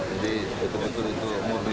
jadi itu betul betul murni